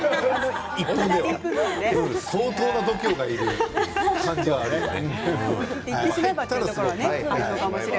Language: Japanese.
１歩目は相当な度胸がいる感じはあるよね。